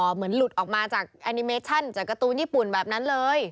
หลุดออกมาจากแอนิเมชั่นจากการ์ตูนญี่ปุ่นแบบนั้นเลย